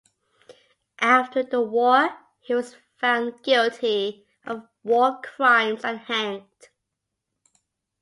After the war, he was found guilty of war crimes and hanged.